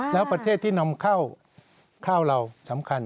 แล้วประเทศที่นำเข้าข้าวเราสำคัญ